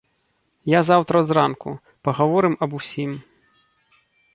Я заўтра зранку, пагаворым аб усім.